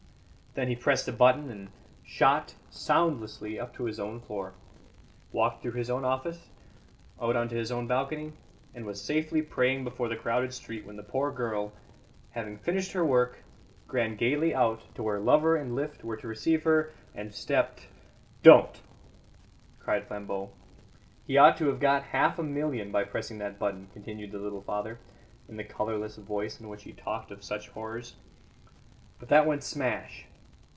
Then he pressed a button and shot soundlessly up to his own floor, walked through his own office, out on to his own balcony, and was safely praying before the crowded street when the poor girl, having finished her work, ran gaily out to where lover and lift were to receive her, and stepped " "Don't!" cried Flambeau. "He ought to have got half a million by pressing that button," continued the little father, in the colourless voice in which he talked of such horrors. "But that went smash.